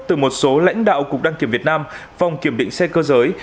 từ một số lãnh đạo cục đăng kiểm việt nam phòng kiểm định xe cơ giới